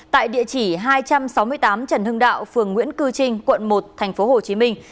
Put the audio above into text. tại địa chỉ hai trăm sáu mươi tám trần hưng đạo phường nguyễn cư trinh quận một thành phố hồ chí minh